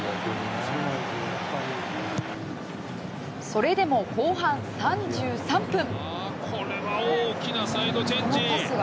それでも後半３３分。